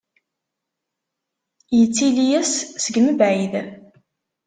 Yettili-as seg mebɛid.